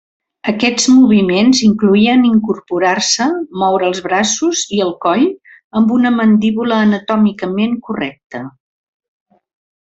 Aquests moviments incloïen incorporar-se, moure els braços i el coll, amb una mandíbula anatòmicament correcta.